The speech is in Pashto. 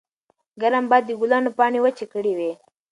ګرم باد د ګلانو پاڼې وچې کړې وې.